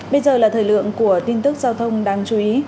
bây giờ là thời lượng của tin tức giao thông đáng chú ý